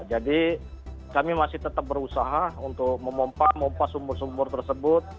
jadi kami masih tetap berusaha untuk memompak mompak sumur sumur tersebut